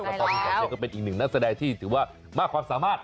แล้วก็ทั้งสองก็เป็นอีกหนึ่งนักแสดงที่ถือว่ามากความสามารถ